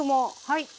はい。